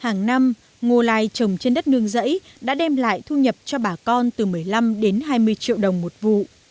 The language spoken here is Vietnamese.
hàng năm ngô lai trồng trên đất nương giấy đã đem lại thu nhập cho bà con từ một mươi năm đến hai mươi triệu đồng một vụ